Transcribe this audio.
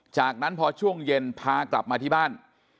จากนั้นพอช่วงเย็นพากลับมาที่บ้าน